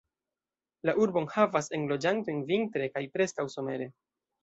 La urbo enhavas enloĝantojn vintre, kaj preskaŭ somere.